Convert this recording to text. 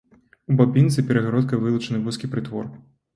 У бабінцы перагародкай вылучаны вузкі прытвор.